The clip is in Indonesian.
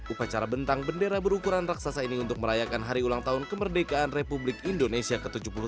upacara bentang bendera berukuran raksasa ini untuk merayakan hari ulang tahun kemerdekaan republik indonesia ke tujuh puluh dua